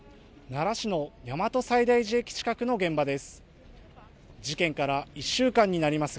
奈良市の大和西大寺駅近くの現場です。